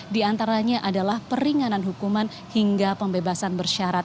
di antaranya adalah peringanan hukuman hingga pembebasan bersyarat